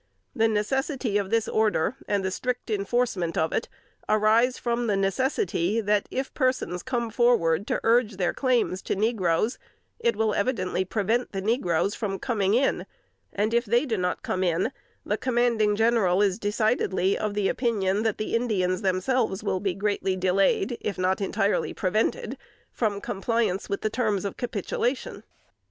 The necessity of this order, and the strict enforcement of it, arise from the necessity, that, if persons come forward to urge their claims to negroes, it will evidently prevent the negroes from coming in; and if they do not come in, the commanding General is decidedly of opinion, that the Indians themselves will be greatly delayed, if not entirely prevented, from compliance with the terms of capitulation."